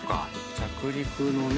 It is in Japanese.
着陸のね。